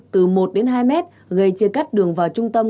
từ một đến hai mét gây chia cắt đường vào trung tâm